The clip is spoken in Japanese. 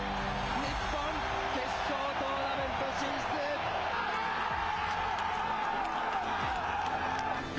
日本、決勝トーナメント進出！